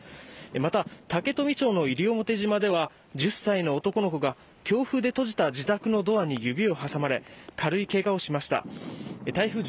また、竹富町の西表島では１０歳の男の子が、強風で閉じた自宅のドアに指を挟まれ、軽いけがをしました。